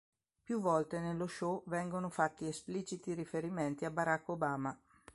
Più volte nello show vengono fatti espliciti riferimenti a Barack Obama.